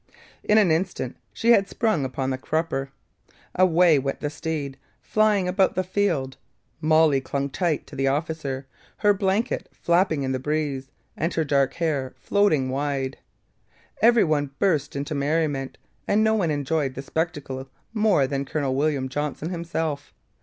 In an instant she had sprung upon the crupper. Away went the steed, flying about the field. Molly clung tight to the officer, her blanket flapping in the breeze and her dark hair floating wide. Every one burst into merriment, and no one enjoyed the spectacle more than Colonel William Johnson himself.